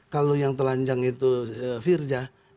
kalau yang telanjang itu firja